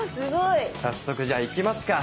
早速じゃあいきますか。